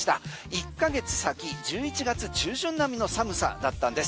１ヶ月先、１１月中旬並みの寒さだったんです。